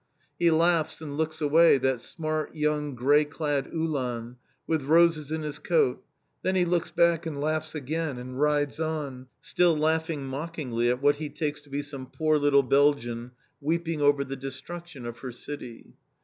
He laughs and looks away, that smart young grey clad Uhlan, with roses in his coat; then he looks back, and laughs again, and rides on, still laughing mockingly at what he takes to be some poor little Belgian weeping over the destruction of her city.